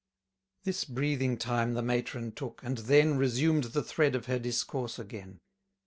This breathing time the matron took; and then Resumed the thread of her discourse again.